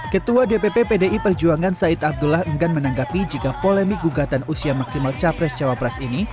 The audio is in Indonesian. ketua dpp pdi perjuangan said abdullah enggan menanggapi jika polemik gugatan usia maksimal capres cawapres ini